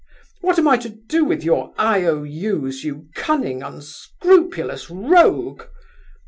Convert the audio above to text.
What am I to do with your IOU's, you cunning, unscrupulous rogue?